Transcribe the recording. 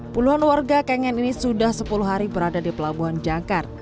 puluhan warga kangen ini sudah sepuluh hari berada di pelabuhan jangkar